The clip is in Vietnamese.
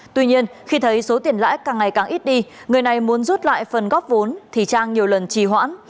tuy nhiên khi thấy số tiền lãi càng ngày càng ít đi người này muốn rút lại phần góp vốn thì trang nhiều lần trì hoãn